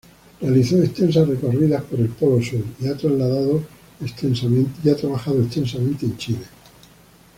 Realizó extensas recorridas por el Polo Sur y ha trabajado extensamente en Chile.